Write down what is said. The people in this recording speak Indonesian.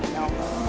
amin ya allah